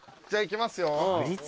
じゃあ行きますよ。